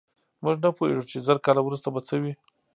موږ نه پوهېږو چې زر کاله وروسته به څه وي.